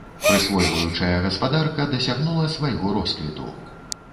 Прысвойваючая гаспадарка дасягнула свайго росквіту.